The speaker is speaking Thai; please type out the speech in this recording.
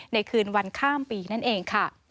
คืนวันข้ามปีนั่นเองค่ะ